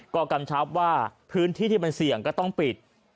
ก็กำชับว่าพื้นที่ที่มันเสี่ยงก็ต้องปิด